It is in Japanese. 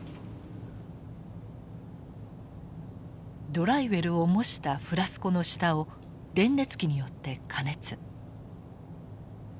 ドライウェルを模したフラスコの下を電熱器によって加熱。